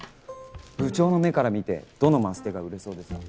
部長の目から見てどのマステが売れそうですか？